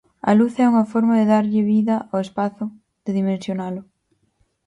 A luz é unha forma de darlle vida ao espazo, de dimensionalo.